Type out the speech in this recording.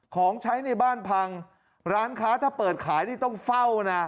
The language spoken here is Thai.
ของใช้ในบ้านพังร้านค้าถ้าเปิดขายนี่ต้องเฝ้านะ